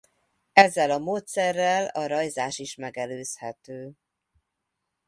Ezzel a módszerrel a rajzás is megelőzhető.